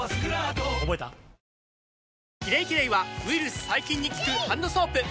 「キレイキレイ」はウイルス・細菌に効くハンドソープ！